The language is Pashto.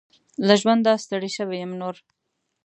له ژونده ستړي شوي يم نور .